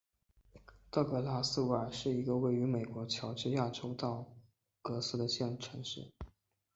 道格拉斯维尔是一个位于美国乔治亚州道格拉斯县的城市。